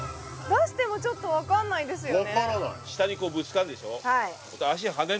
出してもちょっと分かんないですよね